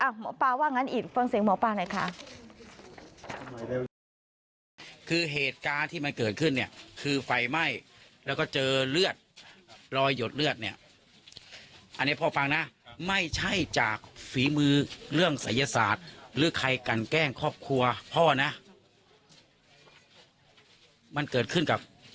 หมอปลาว่างั้นอีกฟังเสียงหมอปลาหน่อยค่ะ